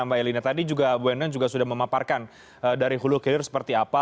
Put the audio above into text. mbak elina tadi juga bu enang sudah memaparkan dari hulu hulu seperti apa